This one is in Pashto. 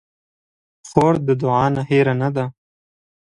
خور د دعا نه هېره نه ده.